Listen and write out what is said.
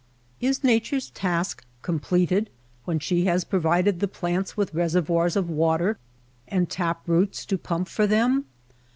Is Nature's task completed then when she has provided the plants with reservoirs of water and tap roots to pump for them